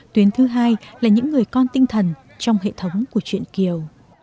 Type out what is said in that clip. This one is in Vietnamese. tuyến thứ hai là những người con tinh thần trong hệ thống của chuyện kiều